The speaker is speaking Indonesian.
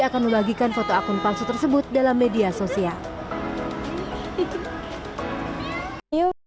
akan membagikan foto akun palsu tersebut dalam media sosial